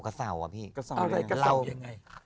อะไรกระเสายังไง